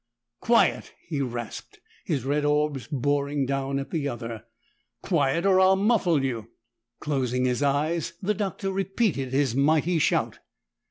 "Quiet!" he rasped, his red orbs boring down at the other. "Quiet, or I'll muffle you!" Closing his eyes, the Doctor repeated his mighty shout.